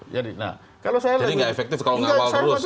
jadi nggak efektif kalau nggak awal terus